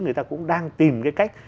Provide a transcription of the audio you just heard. người ta cũng đang tìm cái cách